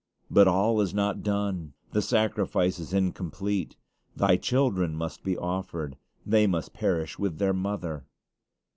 But all is not done the sacrifice is incomplete thy children must be offered they must perish with their mother!